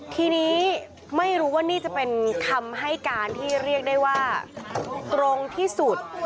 ทีนี้ไม่รู้ว่านี่จะเป็นคำให้การที่เรียกได้ว่าตรงที่สุด